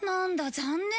残念。